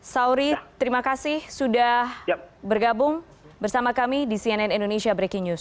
sauri terima kasih sudah bergabung bersama kami di cnn indonesia breaking news